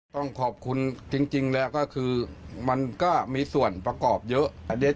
ตอนยุงยืนเกาะหน้ารถน่ะ